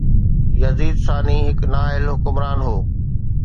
يزيد ثاني هڪ نااهل حڪمران هو